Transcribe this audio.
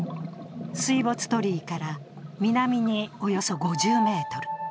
水没鳥居から南におよそ５０ｍ。